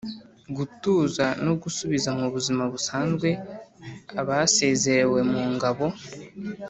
gutuza no gusubiza mu buzima busanzwe abasezerewe mu ngabo.